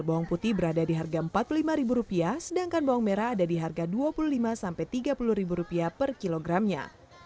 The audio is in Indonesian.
bawang putih berada di harga rp empat puluh lima sedangkan bawang merah ada di harga rp dua puluh lima rp tiga puluh per kilogramnya